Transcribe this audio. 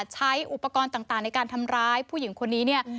ใช้อุปกรณ์ต่างในการทำร้ายผู้หญิงคนนี้เนี่ย